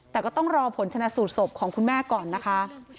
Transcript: แต่ก็ต้องรอผลชนะสูตรศพของคุณแม่ก่อนนะคะ